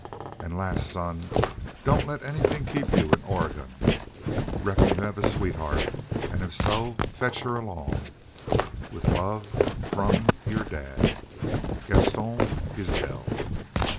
And last, son, dont let anything keep you in Oregon. Reckon you have a sweetheart, and if so fetch her along. With love from your dad, GASTON ISBEL.